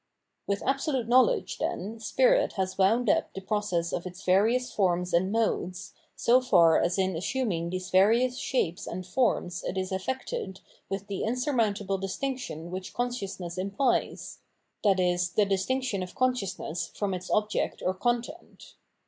With absolute knowledge, then, Spirit has wound up the process of its various forms and modes, so far as in assuming these various shapes and forms it is affected with the insurmountable distinction which consciousness impKes [i.e. the distinction of consciousness from its object or content].